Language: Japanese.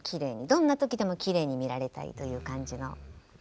どんな時でもきれいに見られたいという感じの。